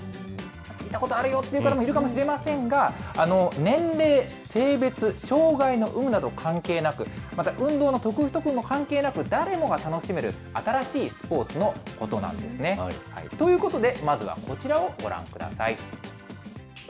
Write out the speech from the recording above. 聞いたことあるよっていう方もいるかもしれませんが、年齢、性別、障害の有無など関係なく、また運動の得意、不得意も関係なく、誰もが楽しめる新しいスポーツのことなんですね。ということで、まずはこちらをご覧ください。